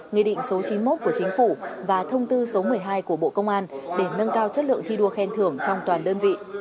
nghị định số chín mươi một của chính phủ và thông tư số một mươi hai của bộ công an để nâng cao chất lượng thi đua khen thưởng trong toàn đơn vị